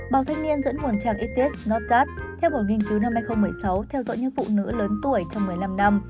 bảo thanh niên dẫn nguồn trang its not that theo một nghiên cứu năm hai nghìn một mươi sáu theo dõi những phụ nữ lớn tuổi trong một mươi năm năm